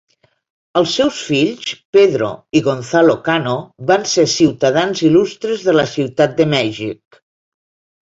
Els seus fills, Pedro y Gonzalo Cano, van ser ciutadans il·lustres de la ciutat de Mèxic.